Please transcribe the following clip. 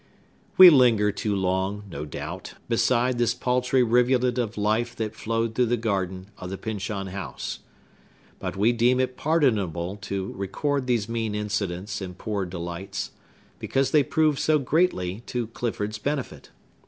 We linger too long, no doubt, beside this paltry rivulet of life that flowed through the garden of the Pyncheon House. But we deem it pardonable to record these mean incidents and poor delights, because they proved so greatly to Clifford's benefit.